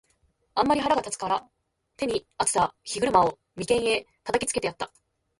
あんまり腹が立つたから、手に在つた飛車を眉間へ擲きつけてやつた。